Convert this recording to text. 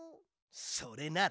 それなら。